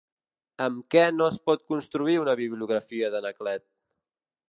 Amb què no es pot construir una bibliografia d'Anaclet?